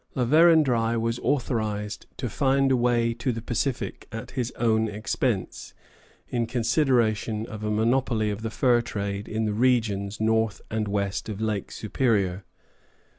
La Vérendrye was authorized to find a way to the Pacific at his own expense, in consideration of a monopoly of the fur trade in the regions north and west of Lake Superior.